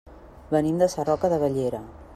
Venim de Sarroca de Bellera.